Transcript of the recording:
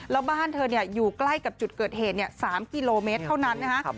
แล้วบ้านเธออยู่ใกล้กับจุดเกิดเหตุ๓กิโลเมตรเท่านั้นนะฮะ